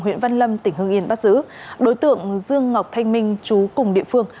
huyện văn lâm tỉnh hương yên bắt giữ đối tượng dương ngọc thanh minh chú cùng địa phương